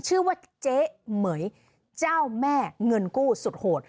ชื่อว่าเจ๊เหม๋ยเจ้าแม่เงินกู้สุดโหด